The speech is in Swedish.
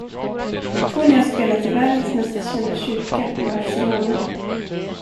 Tony har spelat i världens mest kända kyrka i Barcelona.